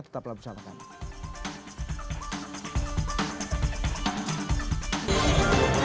tetaplah bersama kami